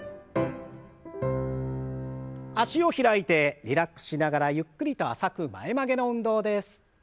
脚を開いてリラックスしながらゆっくりと浅く前曲げの運動です。